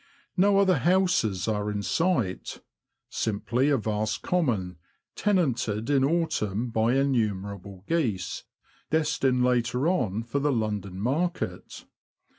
No other houses are in sight — simply a vast common, tenanted in autumn by innumerable geese, destined later on for the London market.